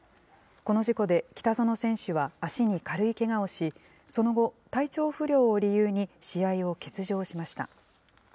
この事故で北薗選手は、足に軽いけがをし、その後、体調不良を理由に試合を欠場しました。